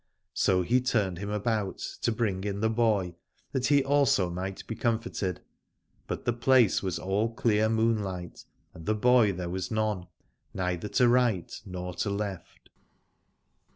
So he turned him about to bring in the boy, that he also might be comforted : but the place was all clear moonlight, and boy there was none, neither to right nor to left.